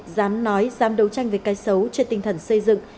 dám nói dám đấu tranh với cái xấu trên tinh thần xây dựng